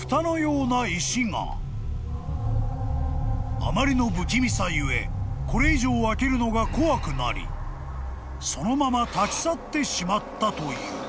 ［あまりの不気味さ故これ以上開けるのが怖くなりそのまま立ち去ってしまったという］